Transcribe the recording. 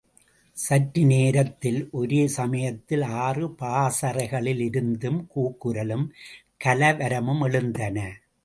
சற்று நேரத்தில் ஒரே சமயத்தில் ஆறு பாசறைகளிலிருந்தும் கூக்குரலும் கலவரமும் எழுந்தன.